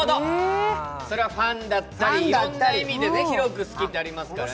それはファンだったり、いろんな意味で好きってありますからね。